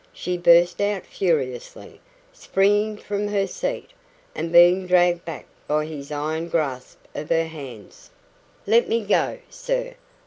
she burst out furiously, springing from her seat, and being dragged back by his iron grasp of her hands. "Let me go, sir!